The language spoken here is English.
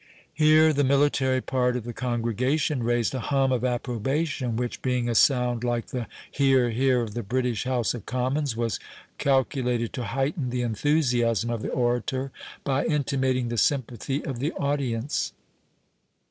Here the military part of the congregation raised a hum of approbation, which, being a sound like the "hear, hear," of the British House of Commons, was calculated to heighten the enthusiasm of the orator, by intimating the sympathy of the audience.